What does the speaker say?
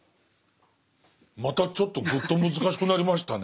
またちょっとぐっと難しくなりましたね